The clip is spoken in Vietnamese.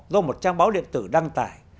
do một trang báo điện tử đăng tải